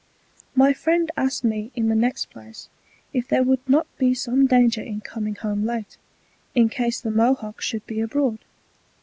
My friend asked me in the next place, if there would not be some danger in coming home late, in case the Mohocks should be Abroad.